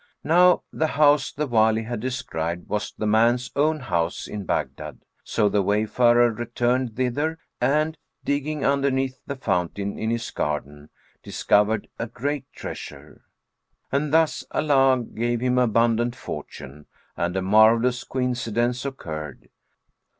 Now the house the Wali had described was the man's own house in Baghdad; so the wayfarer returned thither and, digging underneath the fountain in his garden, discovered a great treasure. And thus Allah gave him abundant fortune; and a marvellous coincidence occurred.